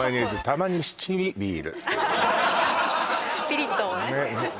ピリッとね